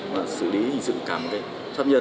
mà xử lý hình sự cả một cái pháp nhân